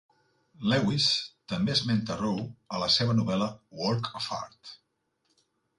Lewis també esmenta Roe a la seva novel·la "Work of Art".